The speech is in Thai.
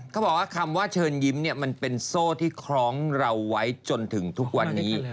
เขาบอกว่าคำว่าเชิญยิ้มเนี่ยมันเป็นโซ่ที่คล้องเราไว้จนถึงทุกวันนี้